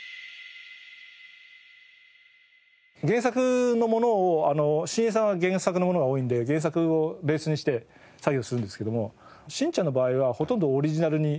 原作のものをシンエイさんは原作のものが多いので原作をベースにして作業するんですけども『しんちゃん』の場合はほとんどオリジナルに。